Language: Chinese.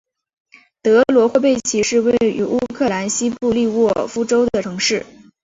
德罗霍贝奇是位于乌克兰西部利沃夫州的城市。